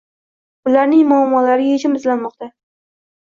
Ularning muammolariga yechim izlanmoqda.